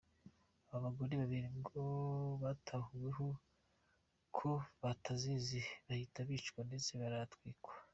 Abo bagore babiri ngo batahuweho ko batazizi bahita bicwa ndetse baratwikwa.